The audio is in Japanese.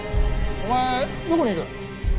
お前どこにいる？